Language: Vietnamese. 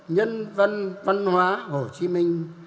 nhân văn văn hóa hồ chí minh